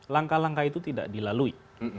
langkah langkah itu tidak dilalui